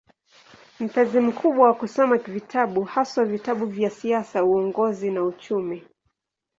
Mpenzi mkubwa wa kusoma vitabu, haswa vitabu vya siasa, uongozi na uchumi.